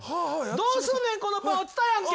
どうすんねんこのパン落ちたやんけ。